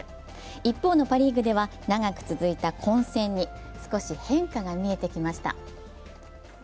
一方のパ・リーグでは長く続いた混戦に少し変化が見えてきました。